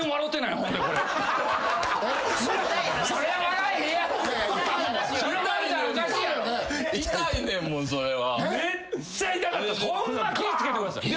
ホンマ気ぃつけてください。